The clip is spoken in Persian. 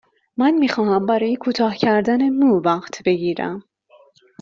من می خواهم برای کوتاه کردن مو وقت بگیرم.